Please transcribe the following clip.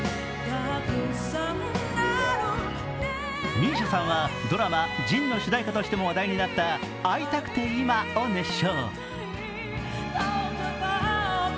ＭＩＳＩＡさんはドラマ「仁−ＪＩＮ−」の主題歌としても話題になった「逢いたくていま」を熱唱。